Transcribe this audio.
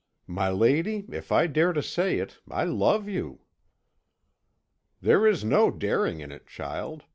"My lady, if I dare to say it, I love you." "There is no daring in it, child.